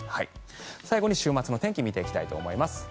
最後に週末の天気を見ていきたいと思います。